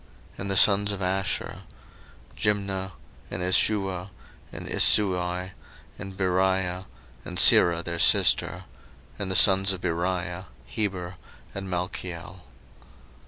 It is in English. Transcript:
01:046:017 And the sons of Asher; Jimnah, and Ishuah, and Isui, and Beriah, and Serah their sister: and the sons of Beriah; Heber, and Malchiel.